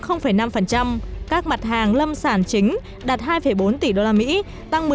tuy nhiên nhiều mặt hàng nông sản chính đạt hai bốn tỷ usd tăng một mươi sáu năm